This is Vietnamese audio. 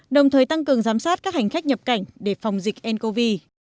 đồng thời tăng cường giám sát các hành khách nhập cảnh để phòng dịch ncov